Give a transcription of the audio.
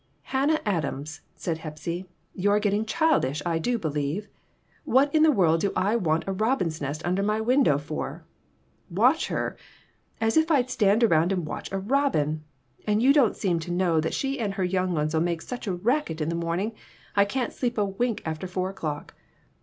"Hannah Adams," said Hepsy, "you're getting childish, I do believe. What in the world do I want a robin's nest under my window for? Watch her ! As if I'd stand around and watch a robin! And you don't seem to know that she and her young ones'll make such a racket in the morning I can't sleep a wink after four o'clock.